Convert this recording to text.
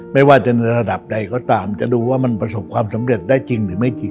ไม่ว่าจะในระดับใดก็ตามจะดูว่ามันประสบความสำเร็จได้จริงหรือไม่จริง